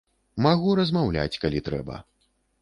Магу размаўляць, калі трэба.